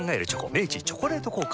明治「チョコレート効果」